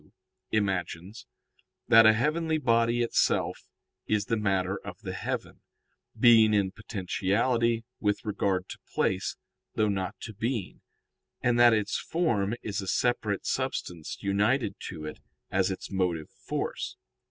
] imagines, that a heavenly body itself is the matter of the heaven being in potentiality with regard to place, though not to being, and that its form is a separate substance united to it as its motive force.